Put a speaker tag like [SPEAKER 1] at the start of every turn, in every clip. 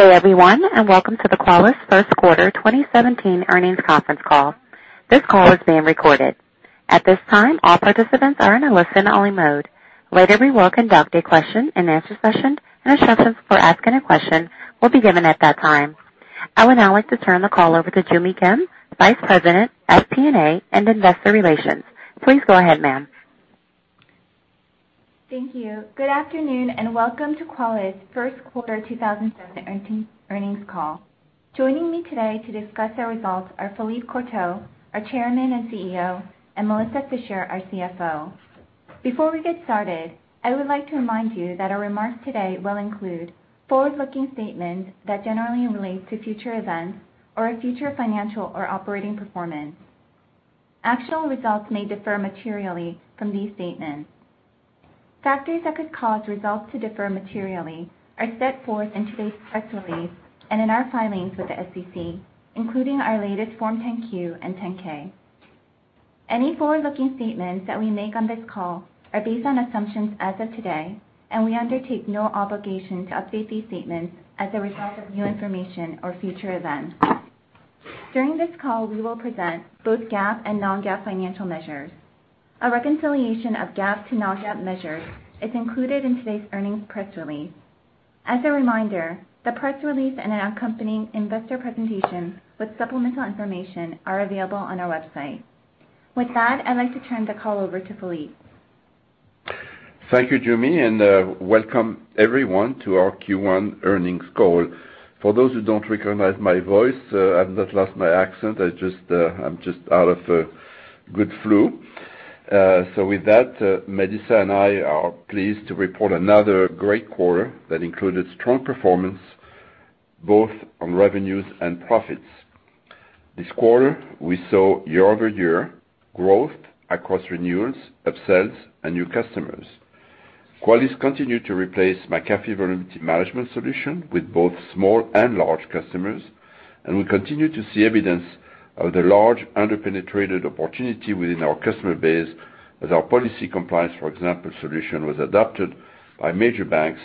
[SPEAKER 1] Good day, everyone, welcome to the Qualys first quarter 2017 earnings conference call. This call is being recorded. At this time, all participants are in a listen-only mode. Later, we will conduct a question and answer session, and instructions for asking a question will be given at that time. I would now like to turn the call over to Joo Mi Kim, Vice President at FP&A and Investor Relations. Please go ahead, ma'am.
[SPEAKER 2] Thank you. Good afternoon, welcome to Qualys' first quarter 2017 earnings call. Joining me today to discuss our results are Philippe Courtot, our Chairman and CEO, and Melissa Fisher, our CFO. Before we get started, I would like to remind you that our remarks today will include forward-looking statements that generally relate to future events or future financial or operating performance. Actual results may differ materially from these statements. Factors that could cause results to differ materially are set forth in today's press release and in our filings with the SEC, including our latest Form 10-Q and 10-K. Any forward-looking statements that we make on this call are based on assumptions as of today, and we undertake no obligation to update these statements as a result of new information or future events. During this call, we will present both GAAP and non-GAAP financial measures. A reconciliation of GAAP to non-GAAP measures is included in today's earnings press release. As a reminder, the press release and an accompanying investor presentation with supplemental information are available on our website. With that, I'd like to turn the call over to Philippe.
[SPEAKER 3] Thank you, Joo Mi, and welcome everyone to our Q1 earnings call. For those who don't recognize my voice, I've not lost my accent. I'm just out of a good flu. With that, Melissa and I are pleased to report another great quarter that included strong performance both on revenues and profits. This quarter, we saw year-over-year growth across renewals, upsells, and new customers. Qualys continued to replace McAfee Vulnerability Management solution with both small and large customers, and we continue to see evidence of the large under-penetrated opportunity within our customer base as our policy compliance, for example, solution was adopted by major banks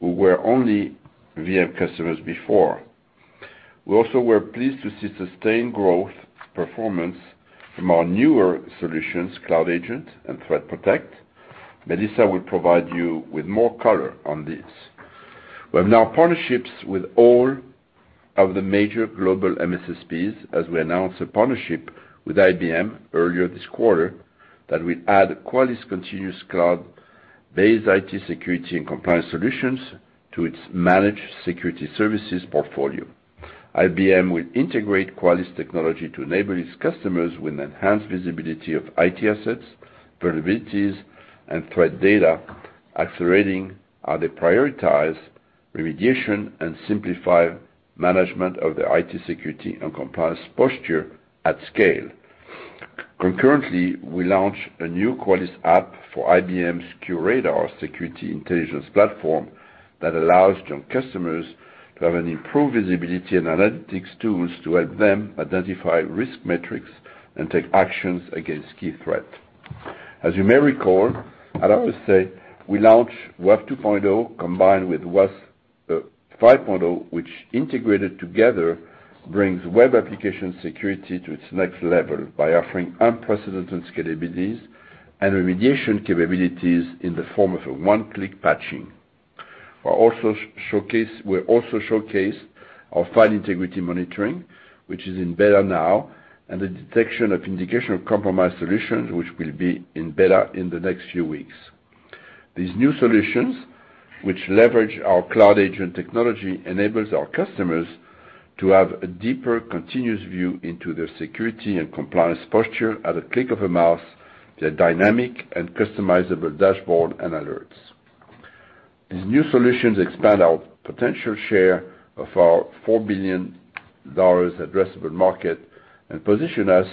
[SPEAKER 3] who were only VM customers before. We also were pleased to see sustained growth performance from our newer solutions, Cloud Agent and ThreatPROTECT. Melissa will provide you with more color on this. We have now partnerships with all of the major global MSSPs as we announced a partnership with IBM earlier this quarter that will add Qualys continuous cloud-based IT security and compliance solutions to its managed security services portfolio. IBM will integrate Qualys technology to enable its customers with enhanced visibility of IT assets, vulnerabilities, and threat data, accelerating how they prioritize remediation and simplify management of their IT security and compliance posture at scale. Concurrently, we launched a new Qualys app for IBM's QRadar security intelligence platform that allows joint customers to have an improved visibility and analytics tools to help them identify risk metrics and take actions against key threat. As you may recall, at our state, we launched WAF 2.0 combined with WAS 5.0, which integrated together brings web application security to its next level by offering unprecedented scalabilities and remediation capabilities in the form of a one-click patching. We'll also showcase our File Integrity Monitoring, which is in beta now, and the detection of indication of compromised solutions, which will be in beta in the next few weeks. These new solutions, which leverage our Cloud Agent technology, enables our customers to have a deeper, continuous view into their security and compliance posture at a click of a mouse, their dynamic and customizable dashboard and alerts. These new solutions expand our potential share of our $4 billion addressable market and position us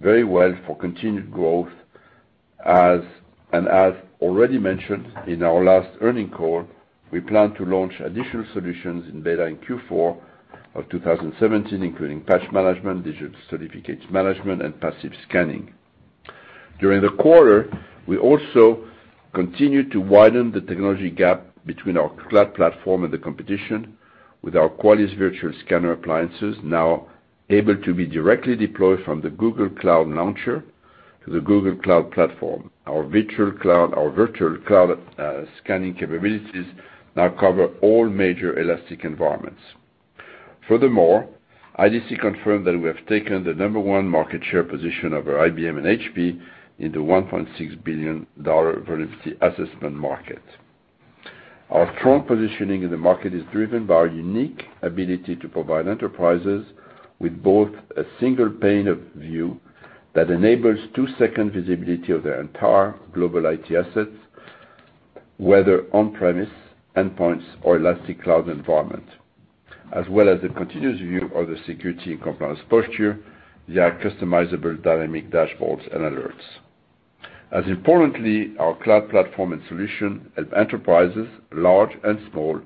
[SPEAKER 3] very well for continued growth. As already mentioned in our last earning call, we plan to launch additional solutions in beta in Q4 of 2017, including Patch Management, digital certificate management, and passive scanning. During the quarter, we also continued to widen the technology gap between our cloud platform and the competition with our Qualys virtual scanner appliances now able to be directly deployed from the Google Cloud Launcher to the Google Cloud Platform. Our virtual cloud scanning capabilities now cover all major elastic environments. Furthermore, IDC confirmed that we have taken the number one market share position over IBM and HP in the $1.6 billion vulnerability assessment market. Our strong positioning in the market is driven by our unique ability to provide enterprises with both a single pane of view that enables two-second visibility of their entire global IT assets, whether on-premise endpoints or elastic cloud environment, as well as the continuous view of the security and compliance posture, their customizable dynamic dashboards and alerts. As importantly, our cloud platform and solution help enterprises, large and small,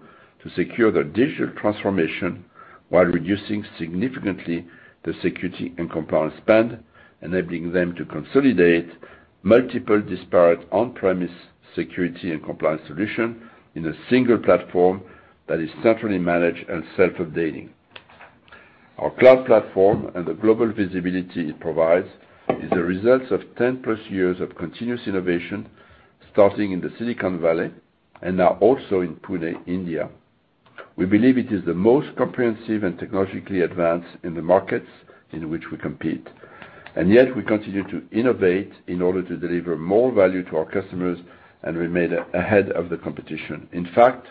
[SPEAKER 3] to secure their digital transformation while reducing significantly the security and compliance spend, enabling them to consolidate multiple disparate on-premise security and compliance solution in a single platform that is centrally managed and self-updating. Our cloud platform and the global visibility it provides is the results of 10-plus years of continuous innovation, starting in the Silicon Valley and now also in Pune, India. We believe it is the most comprehensive and technologically advanced in the markets in which we compete, yet we continue to innovate in order to deliver more value to our customers and remain ahead of the competition. In fact,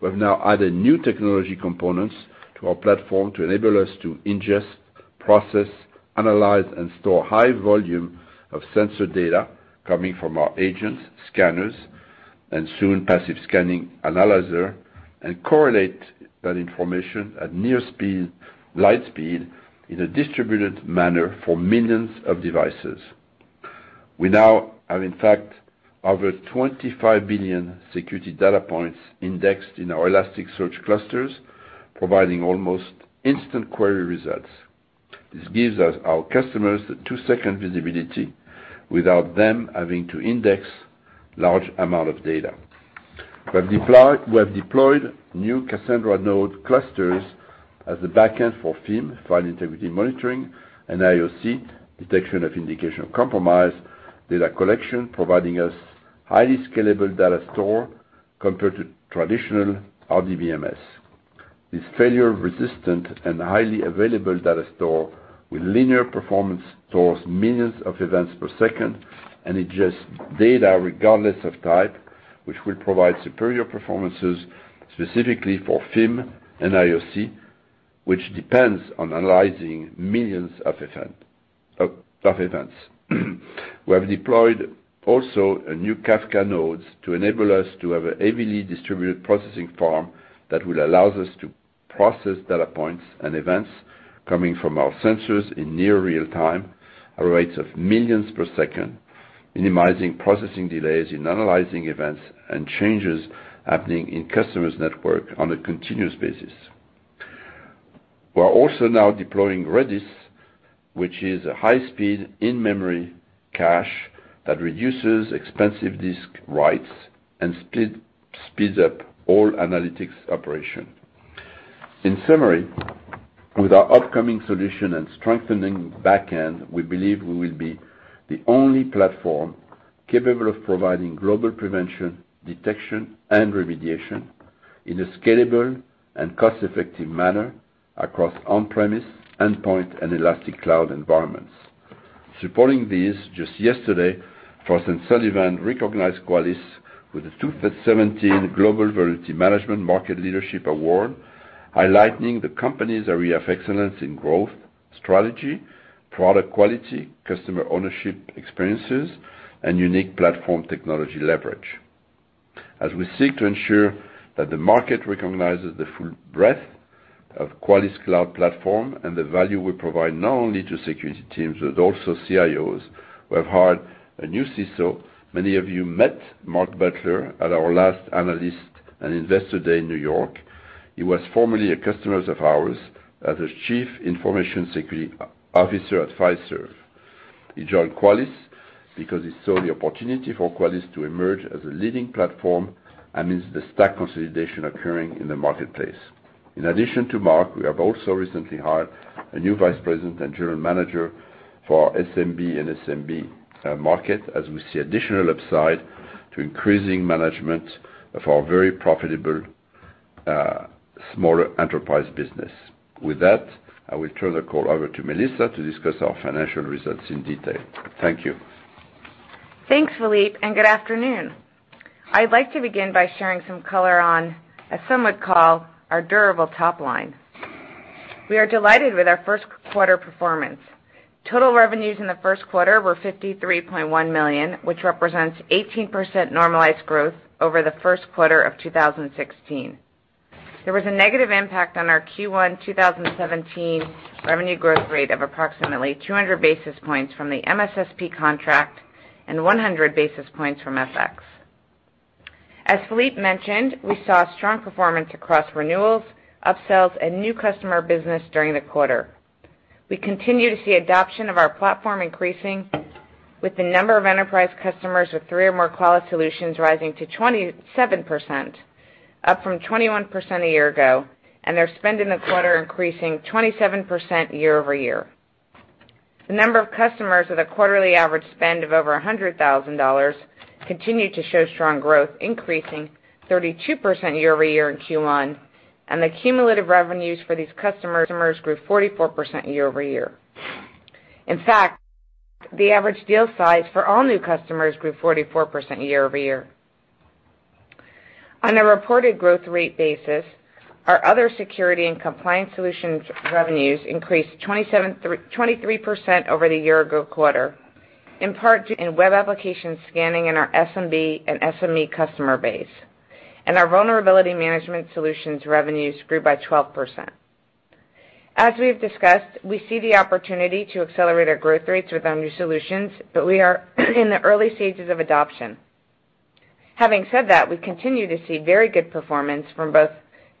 [SPEAKER 3] we've now added new technology components to our platform to enable us to ingest, process, analyze, and store high volume of sensor data coming from our agents, scanners, and soon passive scanning analyzer, correlate that information at near light speed in a distributed manner for millions of devices. We now have, in fact, over 25 billion security data points indexed in our Elasticsearch clusters, providing almost instant query results. This gives our customers the two-second visibility without them having to index large amount of data. We have deployed new Cassandra node clusters as the back-end for FIM, File Integrity Monitoring, and IOC, detection of indication of compromise, data collection, providing us highly scalable data store compared to traditional RDBMS. This failure-resistant and highly available data store with linear performance stores millions of events per second and ingests data regardless of type, which will provide superior performances specifically for FIM and IOC, which depends on analyzing millions of events. We have deployed also new Kafka nodes to enable us to have a heavily distributed processing form that will allow us to process data points and events coming from our sensors in near real time at rates of millions per second, minimizing processing delays in analyzing events and changes happening in customers' network on a continuous basis. We are also now deploying Redis, which is a high-speed in-memory cache that reduces expensive disk writes and speeds up all analytics operation. In summary, with our upcoming solution and strengthening back end, we believe we will be the only platform capable of providing global prevention, detection, and remediation in a scalable and cost-effective manner across on-premise, endpoint, and elastic cloud environments. Supporting this, just yesterday, Frost & Sullivan recognized Qualys with the 2017 Global Vulnerability Management Market Leadership Award, highlighting the company's area of excellence in growth, strategy, product quality, customer ownership experiences, and unique platform technology leverage. As we seek to ensure that the market recognizes the full breadth of Qualys' Cloud Platform and the value we provide not only to security teams but also CIOs, we have hired a new CISO. Many of you met Mark Butler at our last Analyst and Investor Day in New York. He was formerly a customer of ours as a chief information security officer advisor. He joined Qualys because he saw the opportunity for Qualys to emerge as a leading platform amidst the stack consolidation occurring in the marketplace. In addition to Mark, we have also recently hired a new vice president and general manager for SMB and SMB market, as we see additional upside to increasing management of our very profitable smaller enterprise business. With that, I will turn the call over to Melissa to discuss our financial results in detail. Thank you.
[SPEAKER 4] Thanks, Philippe, and good afternoon. I'd like to begin by sharing some color on, as some would call, our durable top line. We are delighted with our first quarter performance. Total revenues in the first quarter were $53.1 million, which represents 18% normalized growth over the first quarter of 2016. There was a negative impact on our Q1 2017 revenue growth rate of approximately 200 basis points from the MSSP contract and 100 basis points from FX. As Philippe mentioned, we saw strong performance across renewals, up-sells, and new customer business during the quarter. We continue to see adoption of our platform increasing with the number of enterprise customers with 3 or more Qualys solutions rising to 27%, up from 21% a year ago, and their spend in the quarter increasing 27% year-over-year. The number of customers with a quarterly average spend of over $100,000 continue to show strong growth, increasing 32% year-over-year in Q1, and the cumulative revenues for these customers grew 44% year-over-year. In fact, the average deal size for all new customers grew 44% year-over-year. On a reported growth rate basis, our other security and compliance solutions revenues increased 23% over the year-ago quarter, in part in Web Application Scanning in our SMB and SME customer base, and our Vulnerability Management solutions revenues grew by 12%. As we've discussed, we see the opportunity to accelerate our growth rates with our new solutions, but we are in the early stages of adoption. Having said that, we continue to see very good performance from both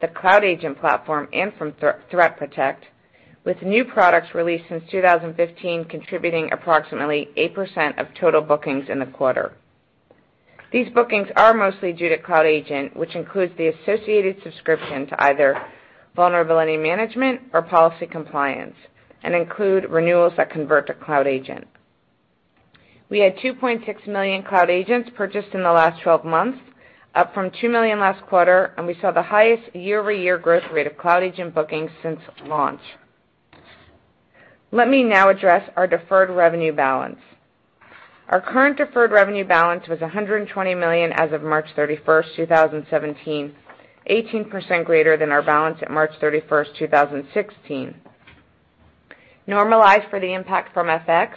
[SPEAKER 4] the Cloud Agent platform and from ThreatPROTECT, with new products released since 2015 contributing approximately 8% of total bookings in the quarter. These bookings are mostly due to Cloud Agent, which includes the associated subscription to either Vulnerability Management or policy compliance and include renewals that convert to Cloud Agent. We had 2.6 million Cloud Agents purchased in the last 12 months, up from 2 million last quarter, and we saw the highest year-over-year growth rate of Cloud Agent bookings since launch. Let me now address our deferred revenue balance. Our current deferred revenue balance was $120 million as of March 31, 2017, 18% greater than our balance at March 31, 2016. Normalized for the impact from FX,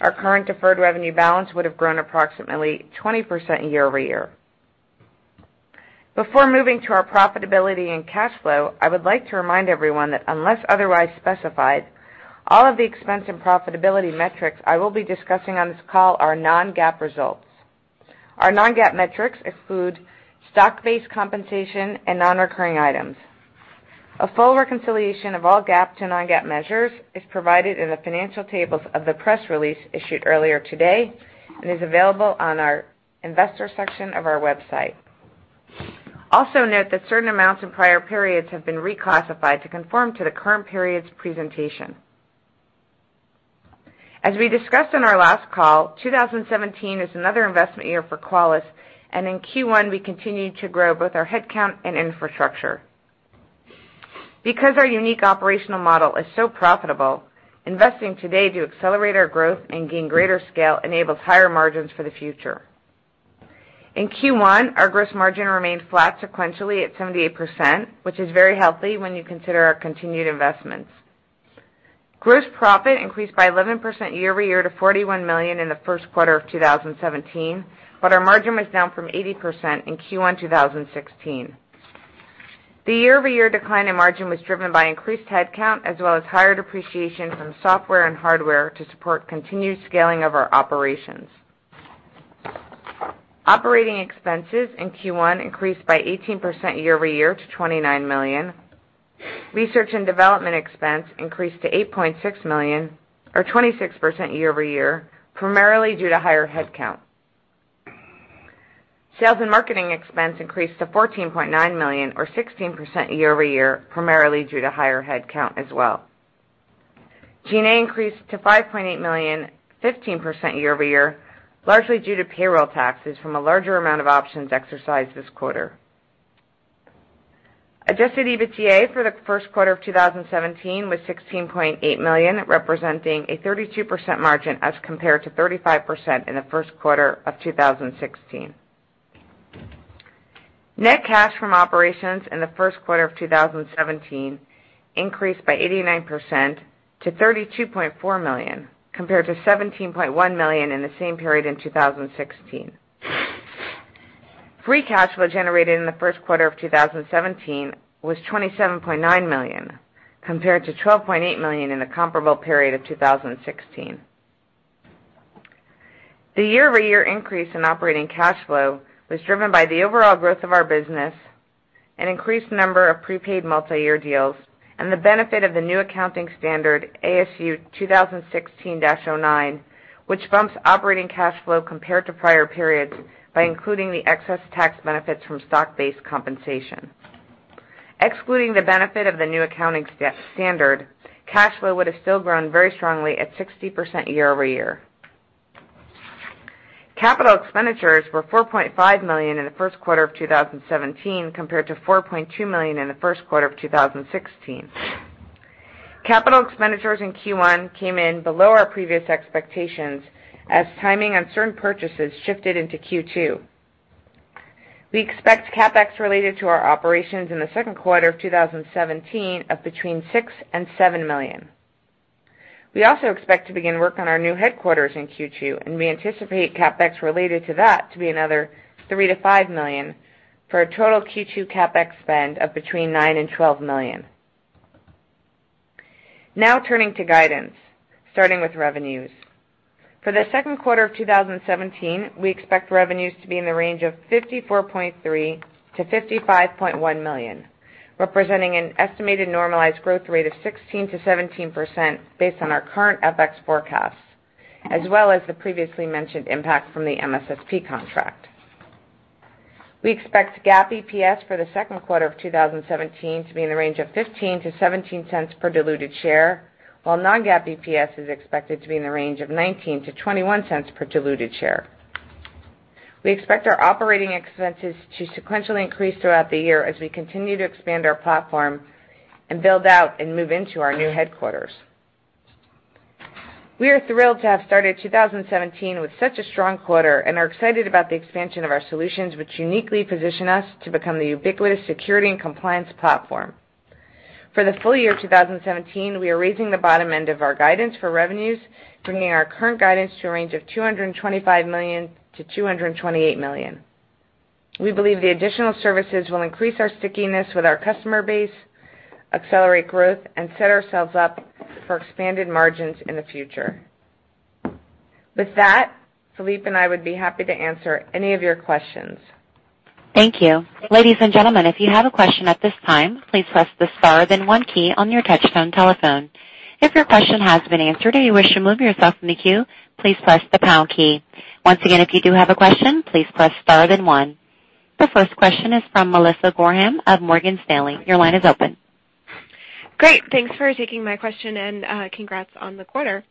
[SPEAKER 4] our current deferred revenue balance would have grown approximately 20% year-over-year. Before moving to our profitability and cash flow, I would like to remind everyone that unless otherwise specified, all of the expense and profitability metrics I will be discussing on this call are non-GAAP results. Our non-GAAP metrics exclude stock-based compensation and non-recurring items. A full reconciliation of all GAAP to non-GAAP measures is provided in the financial tables of the press release issued earlier today and is available on our investor section of our website. Also note that certain amounts in prior periods have been reclassified to conform to the current period's presentation. As we discussed on our last call, 2017 is another investment year for Qualys, and in Q1, we continued to grow both our headcount and infrastructure. Because our unique operational model is so profitable, investing today to accelerate our growth and gain greater scale enables higher margins for the future. In Q1, our gross margin remained flat sequentially at 78%, which is very healthy when you consider our continued investments. Gross profit increased by 11% year-over-year to $41 million in the first quarter of 2017, but our margin was down from 80% in Q1 2016. The year-over-year decline in margin was driven by increased headcount as well as higher depreciation from software and hardware to support continued scaling of our operations. Operating expenses in Q1 increased by 18% year-over-year to $29 million. Research and development expense increased to $8.6 million or 26% year-over-year, primarily due to higher headcount. Sales and marketing expense increased to $14.9 million or 16% year-over-year, primarily due to higher headcount as well. G&A increased to $5.8 million, 15% year-over-year, largely due to payroll taxes from a larger amount of options exercised this quarter. Adjusted EBITDA for the first quarter of 2017 was $16.8 million, representing a 32% margin as compared to 35% in the first quarter of 2016. Net cash from operations in the first quarter of 2017 increased by 89% to $32.4 million, compared to $17.1 million in the same period in 2016. Free cash flow generated in the first quarter of 2017 was $27.9 million, compared to $12.8 million in the comparable period of 2016. The year-over-year increase in operating cash flow was driven by the overall growth of our business, an increased number of prepaid multi-year deals, and the benefit of the new accounting standard, ASU 2016-09, which bumps operating cash flow compared to prior periods by including the excess tax benefits from stock-based compensation. Excluding the benefit of the new accounting standard, cash flow would have still grown very strongly at 60% year-over-year. Capital expenditures were $4.5 million in the first quarter of 2017, compared to $4.2 million in the first quarter of 2016. Capital expenditures in Q1 came in below our previous expectations as timing on certain purchases shifted into Q2. We expect CapEx related to our operations in the second quarter of 2017 of between $6 million and $7 million. We also expect to begin work on our new headquarters in Q2, and we anticipate CapEx related to that to be another $3 million-$5 million for a total Q2 CapEx spend of between $9 million and $12 million. Now turning to guidance, starting with revenues. For the second quarter of 2017, we expect revenues to be in the range of $54.3 million-$55.1 million, representing an estimated normalized growth rate of 16%-17% based on our current FX forecasts, as well as the previously mentioned impact from the MSSP contract. We expect GAAP EPS for the second quarter of 2017 to be in the range of $0.15-$0.17 per diluted share, while non-GAAP EPS is expected to be in the range of $0.19-$0.21 per diluted share. We expect our operating expenses to sequentially increase throughout the year as we continue to expand our platform and build out and move into our new headquarters. We are thrilled to have started 2017 with such a strong quarter and are excited about the expansion of our solutions, which uniquely position us to become the ubiquitous security and compliance platform. For the full year 2017, we are raising the bottom end of our guidance for revenues, bringing our current guidance to a range of $225 million-$228 million. We believe the additional services will increase our stickiness with our customer base, accelerate growth, and set ourselves up for expanded margins in the future. With that, Philippe and I would be happy to answer any of your questions.
[SPEAKER 1] Thank you. Ladies and gentlemen, if you have a question at this time, please press the star then one key on your touchtone telephone. If your question has been answered or you wish to move yourself in the queue, please press the pound key. Once again, if you do have a question, please press star then one. The first question is from Melissa Gorham of Morgan Stanley. Your line is open.
[SPEAKER 5] Great. Thanks for taking my question and congrats on the quarter.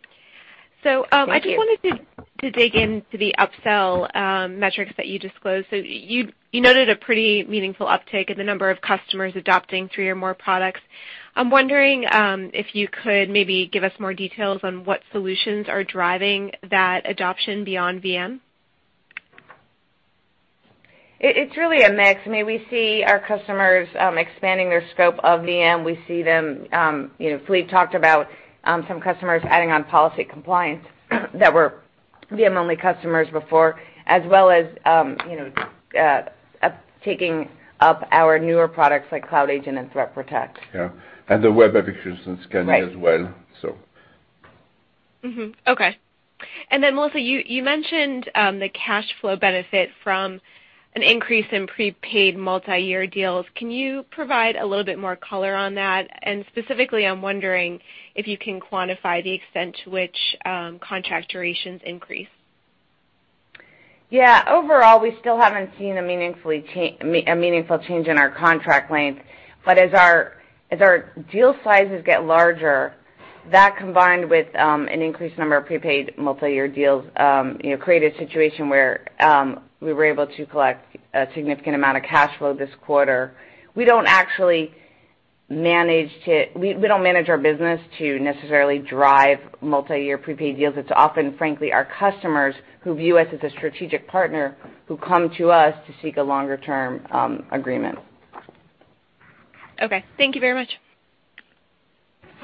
[SPEAKER 4] Thank you.
[SPEAKER 5] I just wanted to dig into the upsell metrics that you disclosed. You noted a pretty meaningful uptick in the number of customers adopting three or more products. I'm wondering if you could maybe give us more details on what solutions are driving that adoption beyond VM.
[SPEAKER 4] It's really a mix. We see our customers expanding their scope of VM. Philippe talked about some customers adding on policy compliance that were VM-only customers before, as well as taking up our newer products like Cloud Agent and ThreatPROTECT.
[SPEAKER 3] Yeah. The Web Application Scanning as well.
[SPEAKER 5] Okay. Melissa, you mentioned the cash flow benefit from an increase in prepaid multi-year deals. Can you provide a little bit more color on that? Specifically, I'm wondering if you can quantify the extent to which contract durations increase.
[SPEAKER 4] Yeah. Overall, we still haven't seen a meaningful change in our contract length. As our deal sizes get larger, that combined with an increased number of prepaid multi-year deals, create a situation where we were able to collect a significant amount of cash flow this quarter. We don't manage our business to necessarily drive multi-year prepaid deals. It's often, frankly, our customers who view us as a strategic partner who come to us to seek a longer-term agreement.
[SPEAKER 5] Okay. Thank you very much.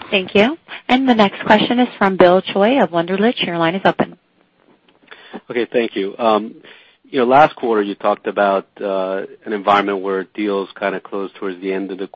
[SPEAKER 1] Thank you. The next question is from Bill Choi of Wunderlich. Your line is open. Okay, thank you. Last quarter, you talked about an environment where deals kind of closed towards the end of the